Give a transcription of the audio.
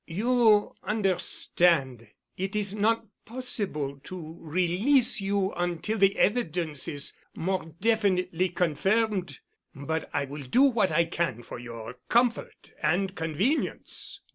"You understand, it is not possible to release you until the evidence is more definitely confirmed. But I will do what I can for your comfort and convenience."